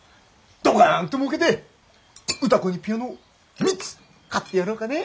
ドカンともうけて歌子にピアノを３つ買ってやろうかね。